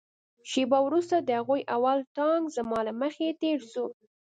شېبه وروسته د هغوى اول ټانک زما له مخې تېر سو.